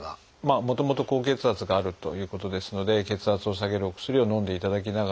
もともと高血圧があるということですので血圧を下げるお薬をのんでいただきながら。